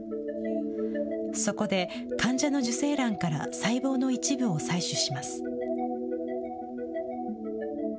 そこで、患者の受精卵から細胞の一部を採取します。